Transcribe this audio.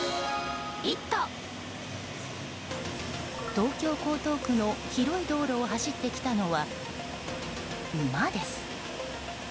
東京・江東区の広い道路を走ってきたのは馬です。